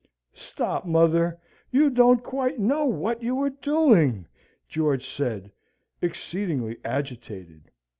"Stop, mother! you don't quite know what you are doing," George said, exceedingly agitated.